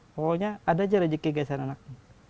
pokoknya ada aja rezeki gaya sana anak